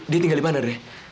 dia tinggal di mana deh